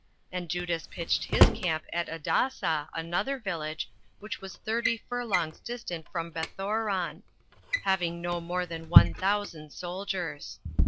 And Judas pitched his camp at Adasa, another village, which was thirty furlongs distant from Bethoron, having no more than one thousand soldiers.